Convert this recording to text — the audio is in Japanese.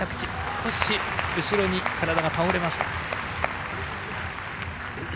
少し後ろに体が倒れました。